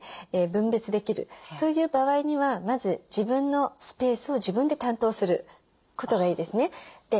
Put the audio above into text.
分別できるそういう場合にはまず自分のスペースを自分で担当することがいいですね。